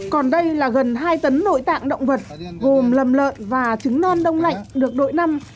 còn đây là gần hai tấn nội tạng động vật gồm lầm lợi và trứng non đông lạnh được đội năm